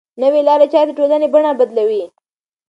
نوې لارې چارې د ټولنې بڼه بدلوي.